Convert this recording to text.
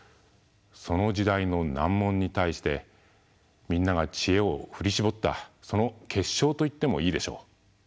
その時代の難問に対してみんなが知恵を振り絞ったその結晶といってもいいでしょう。